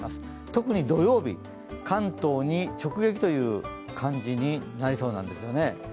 特に土曜日、関東に直撃という感じになりそうなんですよね。